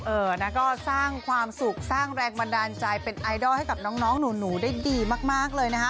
เออนะก็สร้างความสุขสร้างแรงบันดาลใจเป็นไอดอลให้กับน้องหนูได้ดีมากเลยนะฮะ